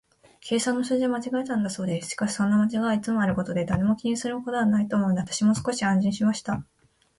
計算の数字を間違えたのだそうです。しかし、そんな間違いはいつもあることで、誰も気にするものはないというので、私も少し安心しました。